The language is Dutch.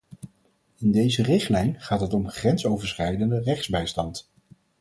In deze richtlijn gaat het om grensoverschrijdende rechtsbijstand.